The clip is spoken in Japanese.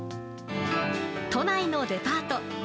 都内のデパート。